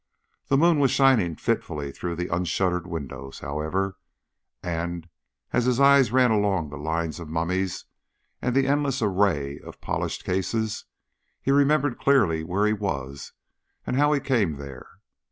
The moon was shining fitfully through the unshuttered window, however, and, as his eye ran along the lines of mummies and the endless array of polished cases, he remembered clearly where he was and how he came there.